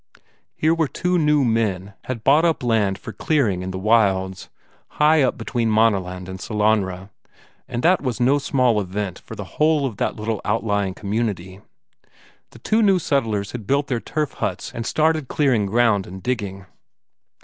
Here were two new men had bought up land for clearing in the wilds; high up between Maaneland and Sellanraa, and that was no small event for the whole of that little outlying community. The two new settlers had built their turf huts and started clearing ground and digging.